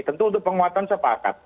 tentu untuk penguatan sepatat